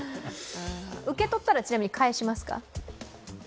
受け取ったら、ちなみに返しますか？